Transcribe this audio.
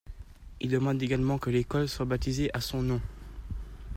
Il demande également que l'école soit baptisée à son nom.